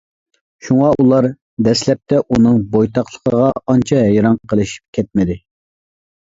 شۇڭا ئۇلار دەسلەپتە ئۇنىڭ بويتاقلىقىغا ئانچە ھەيران قېلىشىپ كەتمىدى.